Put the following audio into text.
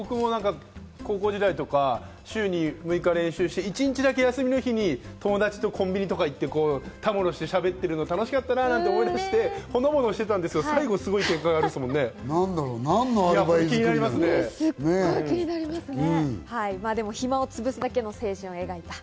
僕も高校時代とか週に６日練習して、一日だけ休みの日に友達とコンビニとか行って、たむろして喋ってるの楽しかったなと思い出して、ほのぼのしてたんですけれども、最後あるんですもんね、気になりますね。